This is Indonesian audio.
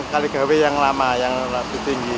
kaligawe yang lama yang lebih tinggi